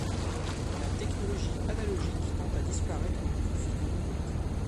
La technologie analogique tend à disparaître au profit du numérique.